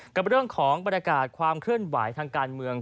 กับเรื่องของบรรยากาศความเคลื่อนไหวทางการเมือง